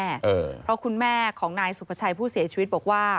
เพราะคุณแม่ของนายสุภาชัยผู้เสียชีวิตบอกว่า